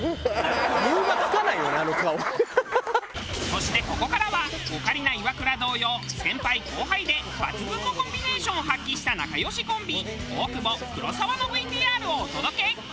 そしてここからはオカリナイワクラ同様先輩後輩で抜群のコンビネーションを発揮した仲良しコンビ大久保黒沢のＶＴＲをお届け。